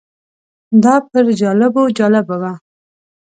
دا پر جالبو جالبه وه.